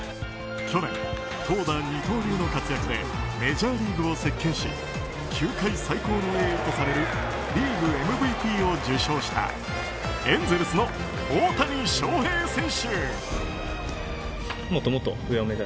去年、投打二刀流の活躍でメジャーリーグを席巻し球界最高の栄誉とされるリーグＭＶＰを受賞したエンゼルスの大谷翔平選手。